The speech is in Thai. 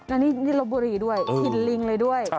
อันนี้นี่ลบบุรีด้วยถิ่นลิงเลยด้วย